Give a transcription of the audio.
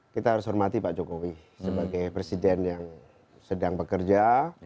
kita harus hormati pak jokowi sebagai presiden yang sedang bekerja